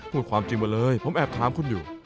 พูดความจริงมาเลยผมแอบถามคุณอยู่